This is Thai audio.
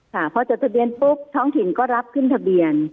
ค่ะพอจดทะเบียนปุ๊บท้องถิ่นก็รับขึ้นทะเบียน